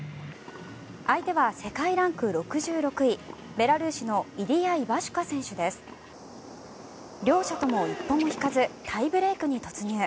相手は世界ランク６６位ベラルーシのイリヤ・イバシュカ選手です。両者とも一歩も引かずタイブレークに突入。